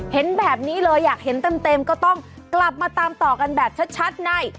เห็นแบบนี้เลยอยากเห็นเต็มก็ต้องกลับมาตามต่อกันแบบชัดใน